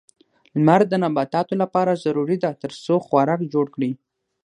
لمر د نباتاتو لپاره ضروري ده ترڅو خوراک جوړ کړي.